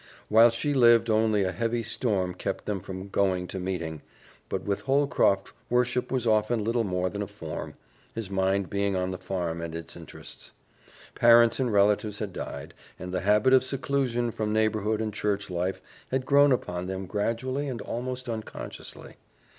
While she lived, only a heavy storm kept them from "going to meeting," but with Holcroft worship was often little more than a form, his mind being on the farm and its interests. Parents and relatives had died, and the habit of seclusion from neighborhood and church life had grown upon them gradually and almost unconsciously.